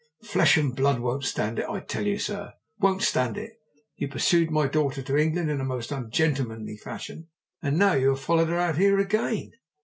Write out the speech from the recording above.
Flesh and blood won't stand it, I tell you, sir won't stand it! You pursued my daughter to England in a most ungentlemanly fashion, and now you have followed her out here again."